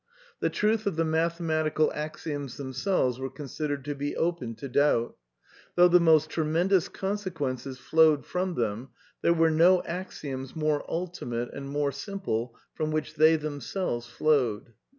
The truth of the mathematical axioms them selves was considered to be open to doubt. Though the most tremendous consequences flowed from them, there were no axioms more ultimate and more simple from which they themselves flowed.